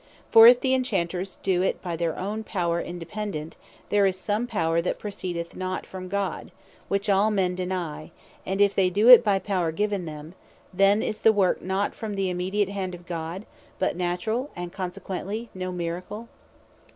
For if the Inchanters do it by their own power independent, there is some power that proceedeth not from God; which all men deny: and if they doe it by power given them, then is the work not from the immediate hand of God, but naturall, and consequently no Miracle.